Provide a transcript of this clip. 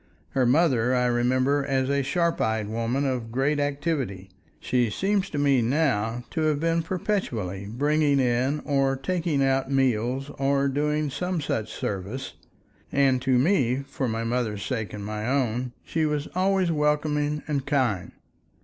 Her mother I remember as a sharp eyed woman of great activity; she seems to me now to have been perpetually bringing in or taking out meals or doing some such service, and to me—for my mother's sake and my own—she was always welcoming and kind.